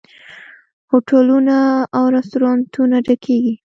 هوټلونه او رستورانتونه ډکیږي.